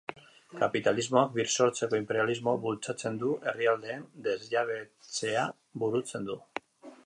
Kapitalismoak birsortzeko inperialismoa bultzatzen du, herrialdeen desjabetzea burutzen du...